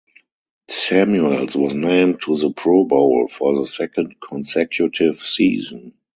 Samuels was named to the Pro Bowl for the second consecutive season.